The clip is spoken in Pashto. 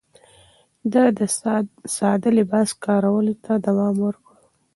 ده د ساده لباس کارولو ته دوام ورکړ.